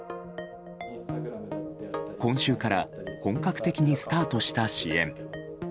今週から本格的にスタートした支援。